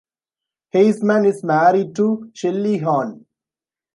Heisman is married to Shelly Hahn.